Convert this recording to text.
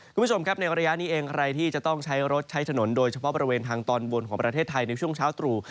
คุณผู้ชมครับในระยะนี้เองใครที่จะต้องใช้รถใช้ถนนโดยเฉพาะบริเวณทางตอนบนของประเทศไทยในช่วงเช้าตรู่